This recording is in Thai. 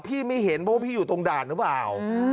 พี่ไม่เห็นพี่อยู่ตรงด่านหรือเปล่า